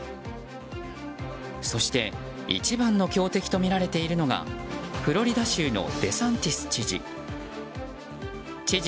そして一番の強敵とみられているのがフロリダ州のデサンティス知事。